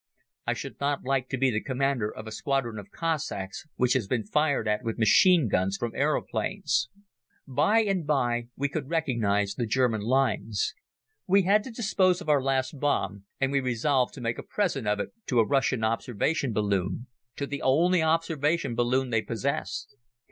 I should not like to be the Commander of a Squadron of Cossacks which has been fired at with machine guns from aeroplanes. By and by we could recognize the German lines. We had to dispose of our last bomb and we resolved to make a present of it to a Russian observation balloon, to the only observation balloon they possessed.